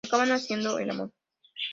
Acaban haciendo el amor.